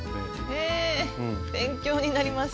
へえ勉強になります。